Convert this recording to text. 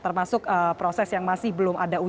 termasuk proses yang masih belum ada uji